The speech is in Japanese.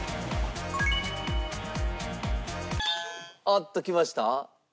おっときました。